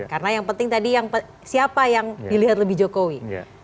karena yang penting tadi siapa yang dilihat lebih jokowi